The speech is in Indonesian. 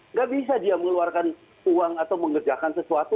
nggak bisa dia mengeluarkan uang atau mengerjakan sesuatu